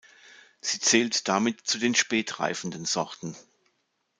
Sie zählt damit zu den spät reifenden Sorten.